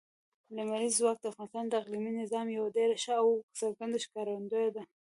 لمریز ځواک د افغانستان د اقلیمي نظام یوه ډېره ښه او څرګنده ښکارندوی ده.